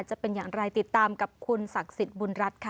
จะเป็นอย่างไรติดตามกับคุณศักดิ์สิทธิ์บุญรัฐค่ะ